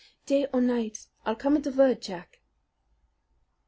"Day or night, I'll come at the word, Jack."